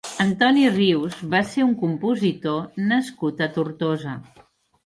Antoni Rius va ser un compositor nascut a Tortosa.